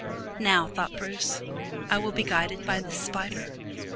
Now,*' thought Bruce, '* I will be guided by this spider.